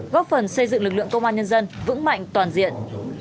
góp phần xây dựng lực lượng công an nhân dân vững mạnh toàn diện